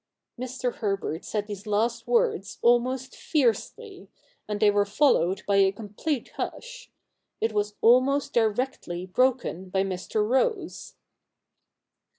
Mr. Herbert said these last words almost fiercely ; and they were followed by a complete hush. It was almost directly broken by Mr. Rose.